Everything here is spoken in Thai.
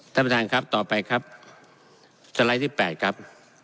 ท่านประธานครับต่อไปครับสไลด์ที่๘ครับ